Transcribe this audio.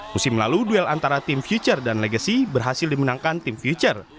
musim lalu duel antara tim future dan legacy berhasil dimenangkan tim future